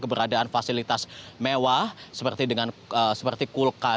memanfaatkan agar dia bisa menikmati kekuasaan teman yang belakang